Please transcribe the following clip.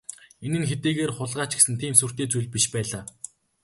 Энэ нь хэдийгээр хулгай ч гэсэн тийм сүртэй зүйл биш байлаа.